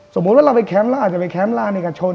สมมุติว่าเราไปแคมป์เราอาจจะไปแคมป์ลานเอกชน